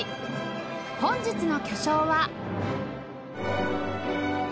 本日の巨匠は